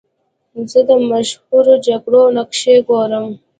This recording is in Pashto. زه د مشهورو جګړو نقشې ګورم.